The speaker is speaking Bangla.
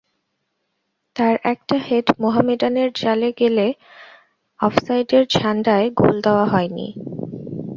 তাঁর একটা হেড মোহামেডানের জালে গেলে অফসাইডের ঝান্ডায় গোল দেওয়া হয়নি।